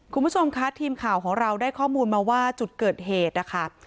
คุณผู้ชมคะทีมข่าวของเราได้ข้อมูลมาว่าจุดเกิดเหตุนะคะ